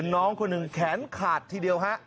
น้องคนหนึ่งแขนขาดทีเดียวฮะ